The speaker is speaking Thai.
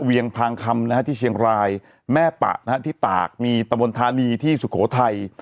เวียงพางคำนะฮะที่เชียงรายแม่ปะนะฮะที่ตากมีตะบนธานีที่สุโขทัย